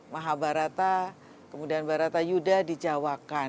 maha barata kemudian barata yuda dijawakan